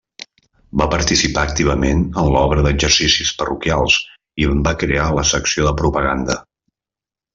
Va participar activament en l'Obra d'Exercicis Parroquials, i en va crear la secció de Propaganda.